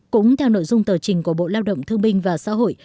cũng theo nội dung tờ trình của bộ lao động thương binh và xã hội